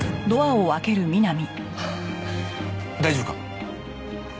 大丈夫か？